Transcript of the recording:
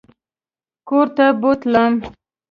کورته بوتلم.